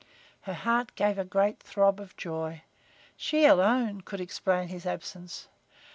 Her heart gave a great throb of joy. She alone could explain his absence.